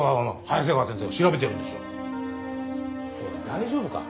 大丈夫か？